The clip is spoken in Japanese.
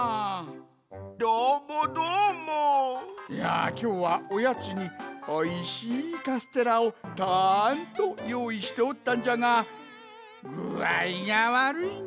いやきょうはおやつにおいしいカステラをたんとよういしておったんじゃがぐあいがわるいんじゃあたべられんのう。